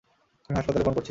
আমি হাসপাতালে ফোন করছি।